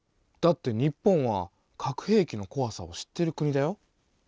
だって日本は核兵器のこわさを知っている国だよ。